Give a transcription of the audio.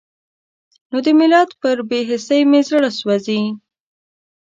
نو د ملت پر بې حسۍ مې زړه سوزي.